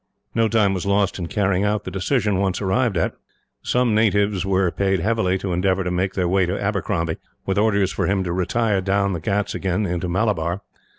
No time was lost in carrying out the decision, when once arrived at. Some natives were paid heavily to endeavour to make their way to Abercrombie, with orders for him to retire down the ghauts again into Malabar.